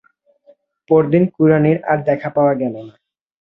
পরদিন কুড়ানির আর দেখা পাওয়া গেল না।